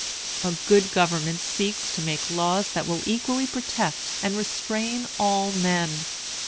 A good government seeks to make laws that will equally protect and restrain all men.